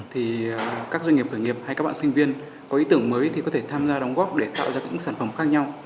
thì các doanh nghiệp khởi nghiệp hay các bạn sinh viên có ý tưởng mới thì có thể tham gia đóng góp để tạo ra những sản phẩm khác nhau